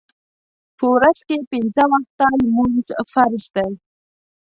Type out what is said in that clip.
په ورځ کې پنځه وخته لمونځ فرض دی.